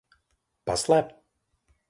Paslēpt?